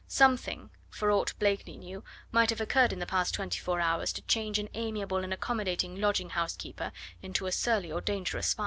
Something for aught Blakeney knew might have occurred in the past twenty four hours to change an amiable and accommodating lodging house keeper into a surly or dangerous spy.